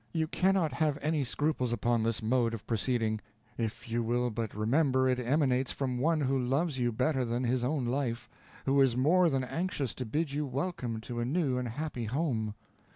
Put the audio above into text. You cannot have any scruples upon this mode of proceeding, if you will but remember it emanates from one who loves you better than his own life who is more than anxious to bid you welcome to a new and happy home.